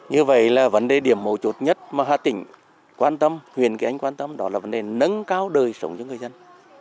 như vậy là vấn đề điểm mâu chốt nhất mà hà tĩnh quan tâm huyền kỳ ánh quan tâm đó là vấn đề nâng cao đời sống cho người dân